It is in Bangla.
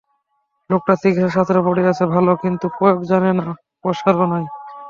লোকটা চিকিৎসাশাস্ত্র পড়িয়াছে ভালো কিন্তু প্রয়োগ জানে না, পশারও নাই।